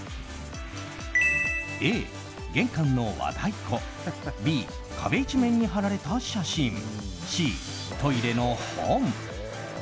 Ａ、玄関の和太鼓Ｂ、壁一面に貼られた写真Ｃ、トイレの本。